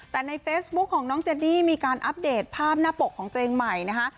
แต่ในเฟซบุ๊คของน้องเจดี้มีการอัปเดตภาพหน้าปกของตัวเองใหม่นะคะ